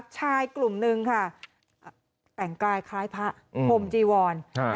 ใช่กลุ่มหนึ่งค่ะแต่งกายคล้ายพระโฮมจีวอน